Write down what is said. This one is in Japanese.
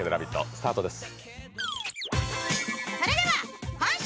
スタートです。